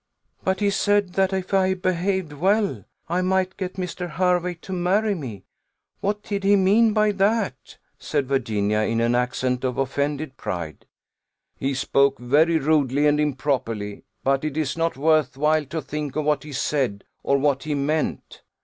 "But he said, that if I behaved well, I might get Mr. Hervey to marry me. What did he mean by that?" said Virginia, in an accent of offended pride. "He spoke very rudely and improperly; but it is not worth while to think of what he said, or what he meant."